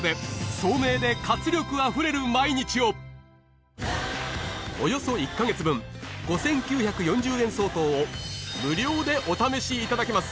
“聡明で活力溢れる毎日”をおよそ１カ月分５９４０円相当を無料でお試しいただけます